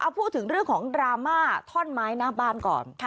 พูดถึงเรื่องของดราม่าท่อนไม้หน้าบ้านก่อน